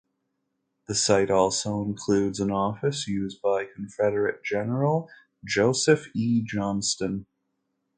The site also includes an office used by Confederate General Joseph E. Johnston.